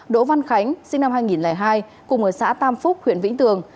đỗ văn khánh sinh năm hai nghìn hai cùng ở xã tam phúc huyện vĩnh tường